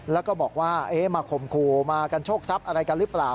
แล้วก็บอกว่ามาข่มขู่มากันโชคทรัพย์อะไรกันหรือเปล่า